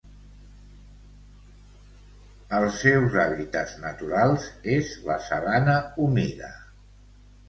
Els seus hàbitats naturals és la sabana humida.